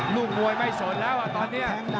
ลูกมวยไม่สนแล้วตอนนี้